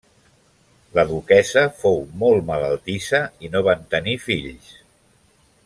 La duquessa fou molt malaltissa i no van tenir fills.